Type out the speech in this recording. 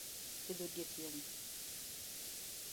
pidho diek yom